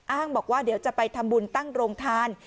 บอกว่าเดี๋ยวจะไปทำบุญตั้งโรงทาน